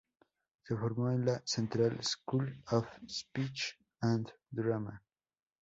Se formó en la "Central School of Speech and Drama".